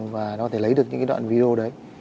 và nó thể lấy được những cái đoạn video đấy